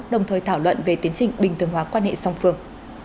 đồng thời thảo luận về tiến trình bình thường hóa quan hệ song phương